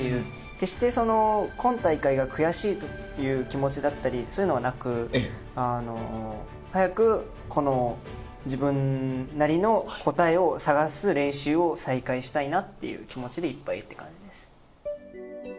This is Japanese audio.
決して今大会が悔しいという気持ちだったりそういうのはなく早く自分なりの答えを探す練習を再開したいなっていう気持ちでいっぱいって感じです。